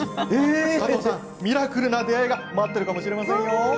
加藤さん、ミラクルな出会いが待っているかもしれませんよ。